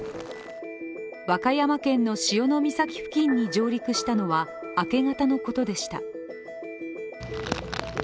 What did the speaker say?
和歌山県の潮岬付近に上陸したのは明け方のことでした。